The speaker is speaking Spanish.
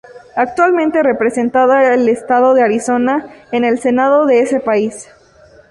Actualmente representada al estado de Arizona en el Senado de ese país.